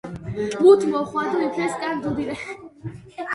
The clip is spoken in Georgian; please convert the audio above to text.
მუთ მოხვადუ ირფელ სკან დუდი რე